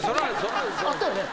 あったよね？